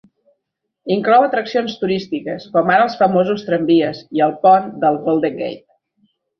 Inclou atraccions turístiques com ara els famosos tramvies i el pont del Golden Gate.